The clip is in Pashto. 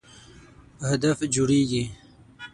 په هدف جوړیږي.